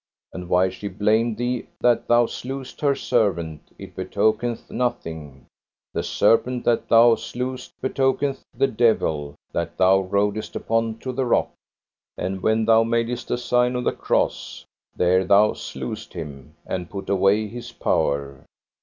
And why she blamed thee that thou slewest her servant, it betokeneth nothing; the serpent that thou slewest betokeneth the devil that thou rodest upon to the rock. And when thou madest a sign of the cross, there thou slewest him, and put away his power.